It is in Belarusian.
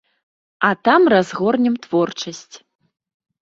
А там разгорнем творчасць.